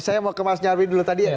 saya mau ke mas nyarwi dulu tadi